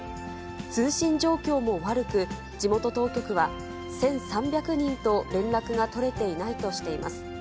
通信状況も悪く、地元当局は、１３００人と連絡が取れていないとしています。